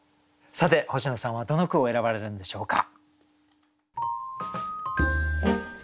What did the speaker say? さて星野さんはどの句を選ばれるんでしょうか？